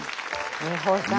美保さん